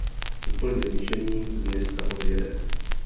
Úplně zničený z města odjede.